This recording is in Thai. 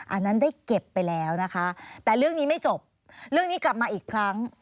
อันนั้นได้เก็บไปแล้วนะคะแต่เรื่องนี้ไม่จบเรื่องนี้กลับมาอีกครั้ง